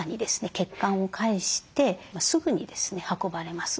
血管を介してすぐにですね運ばれます。